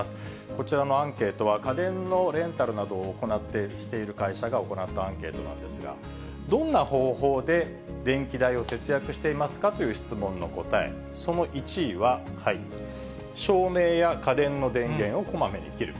こちらのアンケートは、家電のレンタルなどをしている会社が行ったアンケートなんですが、どんな方法で電気代を節約していますか？という質問の答え、その１位は、照明や家電の電源をこまめに切る。